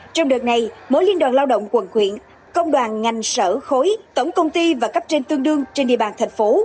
trong đợt này mỗi liên đoàn lao động quận quyện công đoàn ngành sở khối tổng công ty và cấp trên tương đương trên địa bàn thành phố